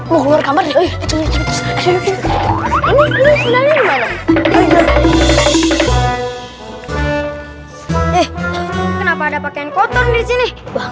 kenapa ada pakaian kotor disini